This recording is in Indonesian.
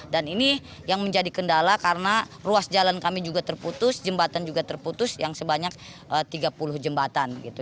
dan ini yang menjadi kendala karena ruas jalan kami juga terputus jembatan juga terputus yang sebanyak tiga puluh jembatan gitu